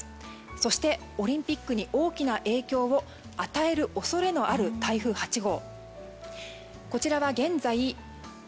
そしてオリンピックに大きな影響を与える恐れのある台風８号